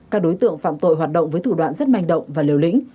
các đối tượng phạm tội hoạt động với thủ đoạn rất manh động và liều lĩnh